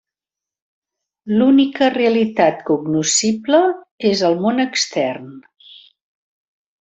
L'única realitat cognoscible és el món extern.